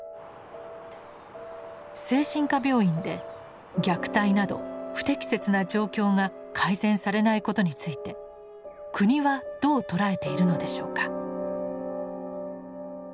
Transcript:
精神科病院で虐待など不適切な状況が改善されないことについて国はどう捉えているのでしょうか。